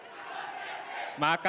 untuk menanggapi jawaban dari masyarakat